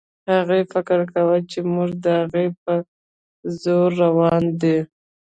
هغې فکر کاوه چې موټر د هغې په زور روان دی.